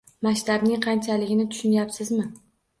Masshtabning qanchaligini tushunyapsizmi?